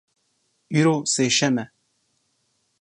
Îro sêşem e.